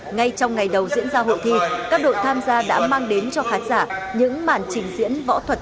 ngay trong ngày đầu diễn ra hội thi các đội tham gia đã mang đến cho khán giả những màn trình diễn võ thuật